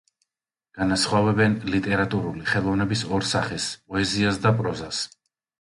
განასხვავებენ ლიტერატურული ხელოვნების ორ სახეს: პოეზიას და პროზას.